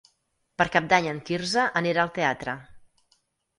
Per Cap d'Any en Quirze anirà al teatre.